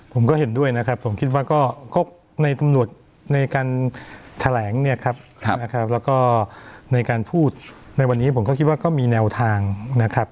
ผมก็เห็นด้วยนะครับผมคิดว่าก็ในตำรวจในการแถลงเนี่ยครับนะครับแล้วก็ในการพูดในวันนี้ผมก็คิดว่าก็มีแนวทางนะครับ